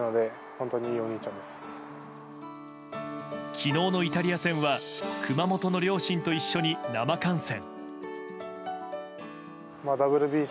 昨日のイタリア戦は熊本の両親と一緒に生観戦。